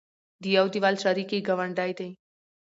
د يو دېول شریکې ګاونډۍ دي